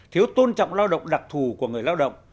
thiếu tôn trọng lao động đặc thù của người lao động